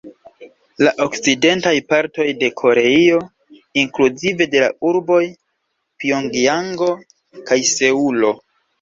La okcidentaj partoj de Koreio, inkluzive de la urboj Pjongjango kaj Seulo.